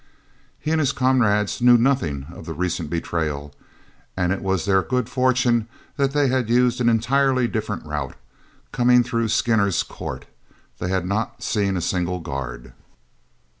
He and his comrades knew nothing of the recent betrayal, and it was their good fortune that they had used an entirely different route, coming through Skinner's Court. They had not seen a single guard.